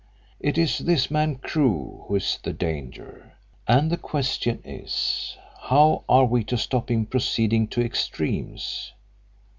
It is this man Crewe who is the danger, and the question is how are we to stop him proceeding to extremes.